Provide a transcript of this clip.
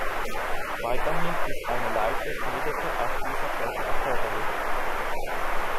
Weiterhin ist eine leichte Schneedecke auf dieser Fläche erforderlich.